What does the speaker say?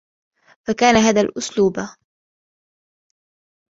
فَكَأَنَّ هَذَا الْأُسْلُوبَ